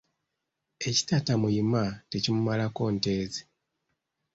Ekitatta muyima, tekimumalaako nte ze.